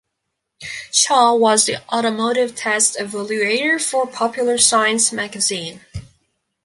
Shaw was the automotive test evaluator for "Popular Science" magazine.